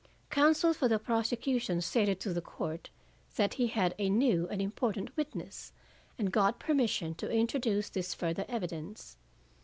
Counsel for the prosecution stated to the court that he had a new and important witness, and got permission to introduce this further evidence.